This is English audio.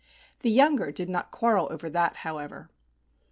The younger did not quarrel over that, however.